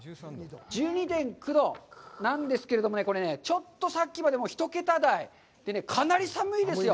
１２．９度なんですけれどもね、ちょっとさっきまで１桁台で、かなり寒いですよ。